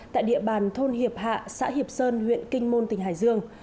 tại địa bàn thôn hiệp hạ xã hiệp sơn huyện kinh môn tỉnh hải dương